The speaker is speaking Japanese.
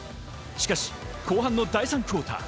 しかし後半の第３クオーター。